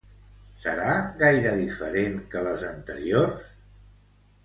Serà gaire diferent que les anteriors?